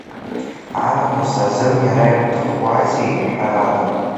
Анамыс азын иара иуҭахуазеи, ҳәарада.